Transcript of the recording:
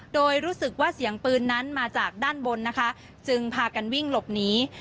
โดยรู้สึกว่าเสียงปืนนั้นมาจากด้านบนนะคะจึงพากันวิ่งหลบหนี